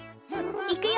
いくよ！